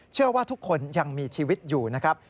เชื่อว่าทุกคนยังมีชีวิตอยู่นะครับ